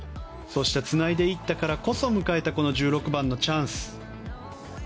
つないでいったからこそ迎えた１６番のチャンス。